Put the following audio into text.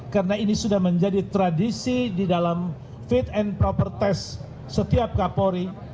karena ini sudah menjadi tradisi di dalam fit and proper test setiap kaporri